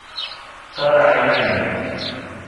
Qareɛ iman-im.